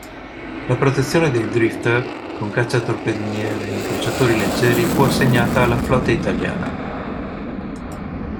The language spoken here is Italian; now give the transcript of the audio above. La protezione dei "drifter" con cacciatorpediniere e incrociatori leggeri fu assegnata alla flotta italiana.